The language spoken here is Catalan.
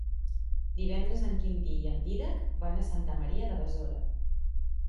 Divendres en Quintí i en Dídac van a Santa Maria de Besora.